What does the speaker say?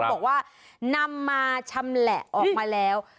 บอกว่านำมาชำแหละออกมาแล้ว